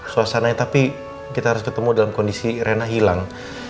suasananya tapi kita harus ketemu dalam kondisi rena hilang